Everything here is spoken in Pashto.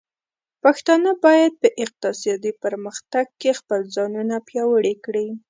پښتانه بايد په اقتصادي پرمختګ کې خپل ځانونه پياوړي کړي.